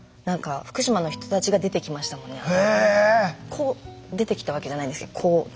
こう出てきたわけじゃないんですけどこう。